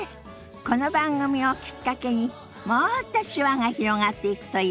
この番組をきっかけにもっと手話が広がっていくといいわね。